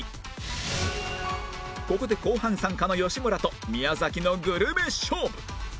ここで後半参加の吉村と宮崎のグルメ勝負